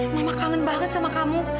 mama kangen banget sama kamu